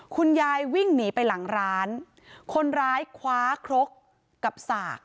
คุณยายวิ่งหนีไปหลังร้านคนร้ายคว้าครกกับสาก